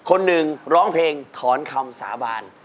คนหนึ่งร้องเพลงถอนคำสาบาน